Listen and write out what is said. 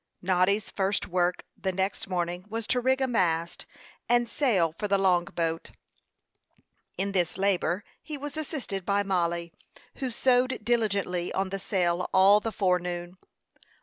Noddy's first work the next morning was to rig a mast and sail for the long boat. In this labor he was assisted by Mollie, who sewed diligently on the sail all the forenoon.